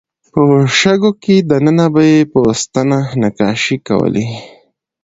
په شګو کې دننه به یې په ستنه نقاشۍ کولې.